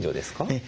ええ。